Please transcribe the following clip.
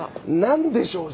「何でしょう？」